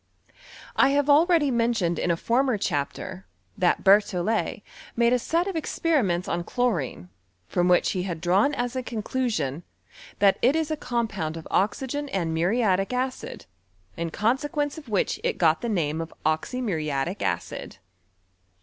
I have already men tioned in a former chapter, that Berthollet made a set of experiments on chlorine, from which he had drawn as a conclusion, that it is a compound of oxygen and muriatic acid, in consequence of which it got the name of oxymuriatic ctdd.